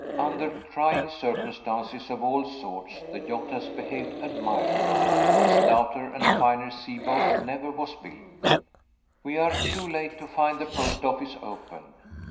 Under trying circumstances of all sorts, the yacht has behaved admirably. A stouter and finer sea boat never was built. We are too late to find the post office open.